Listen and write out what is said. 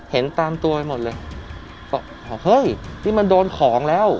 เห็นตามตัวไปหมดเลยบอกเฮ้ยนี่มันโดนของแล้ว